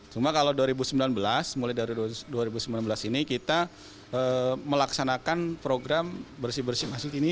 cuma kalau dua ribu sembilan belas mulai dari dua ribu sembilan belas ini kita melaksanakan program bersih bersih masjid ini